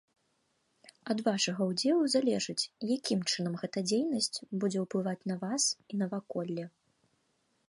Ад ваша ўдзелу залежыць якім чынам гэта дзейнасць будзе ўплываць на вас і наваколле.